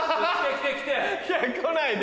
来ないで。